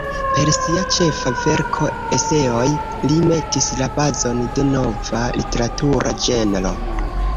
Per sia ĉefa verko "Eseoj", li metis la bazon de nova literatura ĝenro.